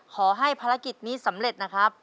ภารกิจนี้สำเร็จนะครับ